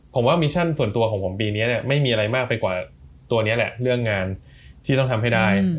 ผมว่ามิชั่นส่วนตัวของผมปีนี้ไม่มีอะไรมากไปกว่าตัวนี้แหละเรื่องงานที่ต้องทำให้ได้